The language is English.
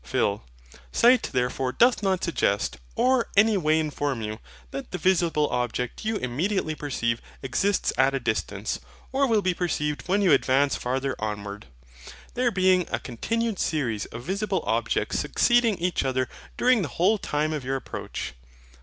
PHIL. Sight therefore doth not suggest, or any way inform you, that the visible object you immediately perceive exists at a distance, or will be perceived when you advance farther onward; there being a continued series of visible objects succeeding each other during the whole time of your approach.